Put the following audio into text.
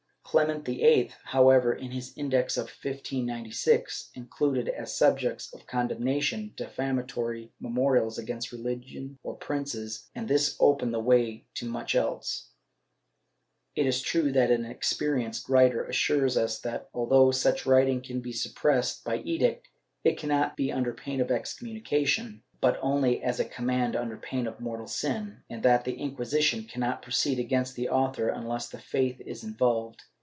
Clement VIII, however, in his Index of 1596, included, as subjects of con demnation, defamatory memorials against religion or princes, and this opened the way to much else. It is true that an experienced writer assures us that, although such writing can be suppressed by edict, it cannot be under pain of excommunication, but only as a command under pain of mortal sin, and that the Inquisition cannot proceed against the author unless the faith is involved.